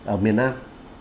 ở miền nam